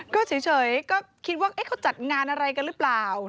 ก็เฉยก็คิดว่าเขาจัดงานอะไรกันหรือเปล่า